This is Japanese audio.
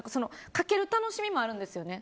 かける楽しみもあるんですよね。